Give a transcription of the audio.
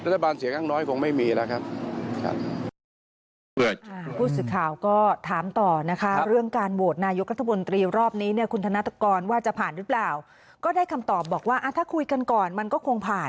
ส่นะครับปิดประตูคำว่ารัฐบาลเสียข้างน้อยไปแล้วใช่ไหมครับ